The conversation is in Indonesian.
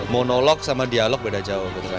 monolog sama dialog beda jauh